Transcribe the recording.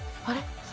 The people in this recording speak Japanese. あれ？